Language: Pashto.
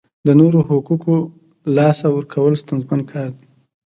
د نورو حقوقو لاسه ورکول ستونزمن کار دی.